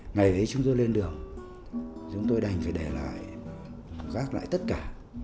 ngày ấy chúng tôi lên đường chúng tôi đành phải để lại gác lại tất cả